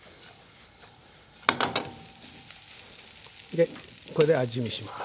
でこれで味見します。